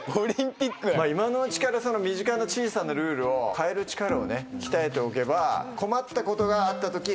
今のうちから身近な小さなルールを変える力をね鍛えておけば困ったことがあったとき。